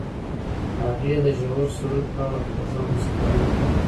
هغې د ژور سرود په اړه خوږه موسکا هم وکړه.